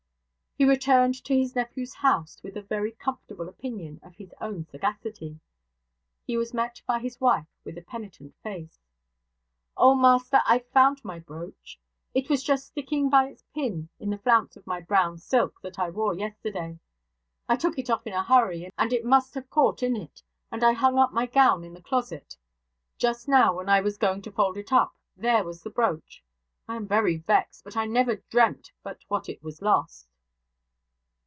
He returned to his nephew's house with a very comfortable opinion of his own sagacity. He was met by his wife with a penitent face. 'Oh, master, I've found my brooch! It was just sticking by its pin in the flounce of my brown silk, that I wore yesterday. I took it off in a hurry, and it must have caught in it; and I hung up my gown in the closet. Just now, when I was going to fold it up, there was the brooch! I am very vexed, but I never dreamt but what it was lost!'